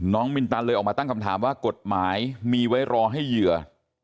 มินตันเลยออกมาตั้งคำถามว่ากฎหมายมีไว้รอให้เหยื่อ